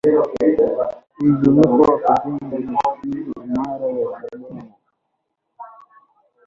uzoefu wa kujenga misingi imara ya kidemo